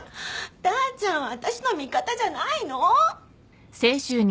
ダーちゃんはあたしの味方じゃないの！？